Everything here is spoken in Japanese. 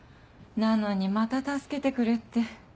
なのにまた助けてくれって。